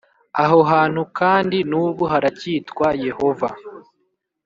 aho hantu kandi nubu haracyitwa Yehova